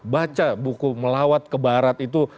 baca buku melawat ke barat itu